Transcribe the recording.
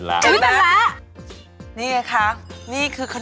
พวกนี้ร้ายมากค่ะ